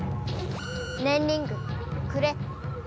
ねんリングくれ。